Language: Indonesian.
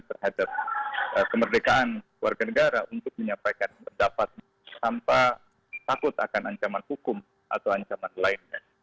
terhadap kemerdekaan warga negara untuk menyampaikan pendapat tanpa takut akan ancaman hukum atau ancaman lainnya